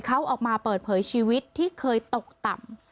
เขาออกมาเปิดเผยชีวิตที่เคยตกต่ำ